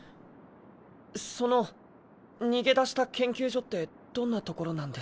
その逃げ出した研究所ってどんな所なんですか？